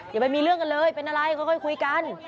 อย่าไปมีเรื่องกันเลยเป็นอะไรค่อยคุยกัน